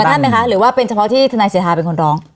ท่านไหมคะหรือว่าเป็นเฉพาะที่ทนายสิทธาเป็นคนร้อง